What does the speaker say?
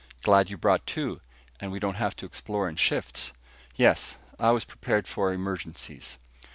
"Glad you brought two, and we don't have to explore in shifts." "Yes, I was prepared for emergencies."